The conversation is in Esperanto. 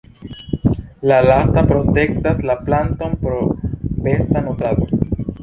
La lasta protektas la planton pro besta nutrado.